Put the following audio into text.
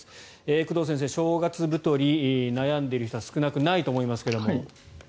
工藤先生、正月太り悩んでいる人は少なくないと思いますが。